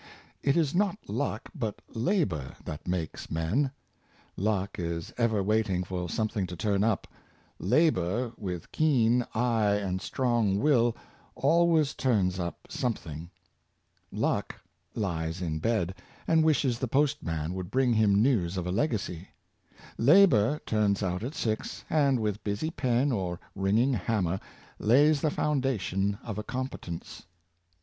It is not luck, but labor, that makes men. " Luck is ever waiting for something to turn up; Labor, with 442 Luck and Labor. keen eye and strong will, always turns up something. Luck lies in bed, and wishes the postman would bring him news of a legacy; Labor turns out at six, and with busy pen or ringing hammer lays the foundation of a competence.